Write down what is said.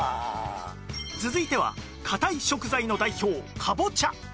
続いては硬い食材の代表かぼちゃ